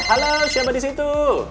halo siapa di situ